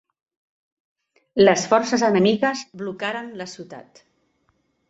Les forces enemigues blocaren la ciutat.